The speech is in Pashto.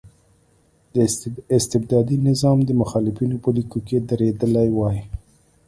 د استبدادي نظام د مخالفینو په لیکو کې درېدلی وای.